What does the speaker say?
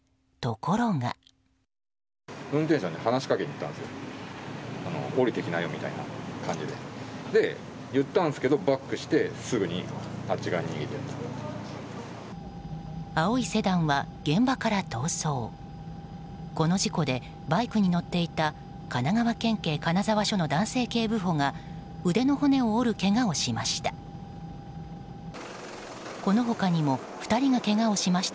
この事故で、バイクに乗っていた神奈川県警金沢署の男性警部補が腕の骨を折るけがをしました。